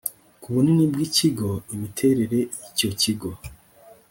ku bunini bw ikigo imiterere y icyo kigo